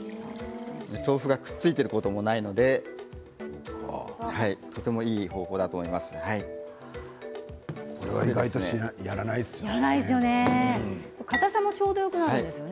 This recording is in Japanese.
豆腐がくっついていることもないのでこれは意外とやらないですよね。